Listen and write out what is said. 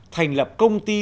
thành lập công ty